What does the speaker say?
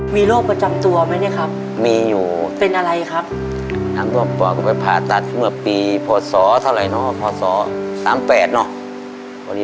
มีโรคประจำตัวไหมเนี่ยครับมีอยู่เป็นอะไรครับทางครอบครัวก็ไปผ่าตัดเมื่อปีพศเท่าไหร่เนอะพศ๓๘เนอะ